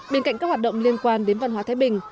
bên cạnh các hoạt động liên quan đến văn hóa thái bình